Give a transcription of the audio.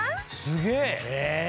すげえ。